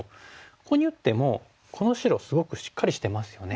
ここに打ってもこの白すごくしっかりしてますよね。